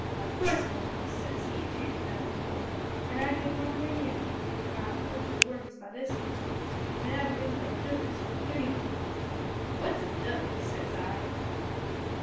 "`Of course I was,' says he, tamin' down a little, `an' I'd bin one o' them yet if not food for worms by this time if it hadn't bin for a dook as took pity on me.' "`What's a dook?' says I.